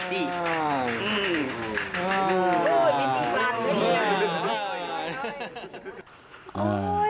อื้อมีสิบลักษณ์ไอ้เฮีย